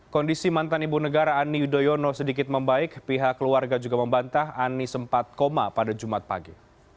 kondisi mantan ibu negara ani yudhoyono sedikit membaik pihak keluarga juga membantah anies sempat koma pada jumat pagi